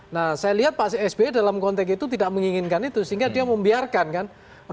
nah saya lihat pak sby dalam konteks itu tidak menginginkan itu sehingga dia membiarkan kan